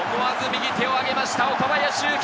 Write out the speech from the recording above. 思わず右手をあげました岡林勇希。